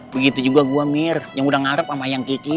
begitu juga gua mir yang udah ngarep sama yang kiki